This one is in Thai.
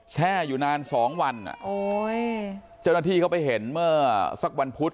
แช่อยู่นานสองวันอ่ะโอ้ยเจ้าหน้าที่เขาไปเห็นเมื่อสักวันพุธ